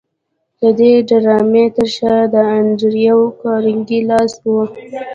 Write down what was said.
د دې ډرامې تر شا د انډریو کارنګي لاس و